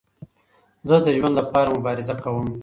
زه د ژوند له پاره مبارزه کوم.